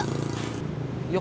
oh pak sofyan